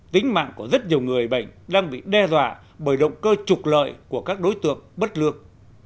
tính mạng của rất nhiều người bệnh đang bị đe dọa bởi động cơ trục lợi của các đối tượng bất lương